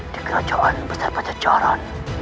di kerajaan pecah jalan